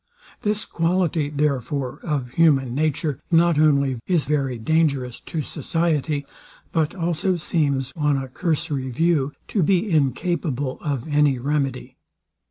This quality, therefore, of human nature, not only is very dangerous to society, but also seems, on a cursory view, to be incapable of any remedy.